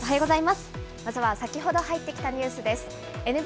まずは先ほど入ってきたニュースです。